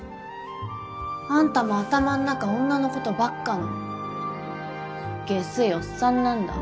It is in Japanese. あんたも頭ん中女のことばっかのゲスいおっさんなんだ。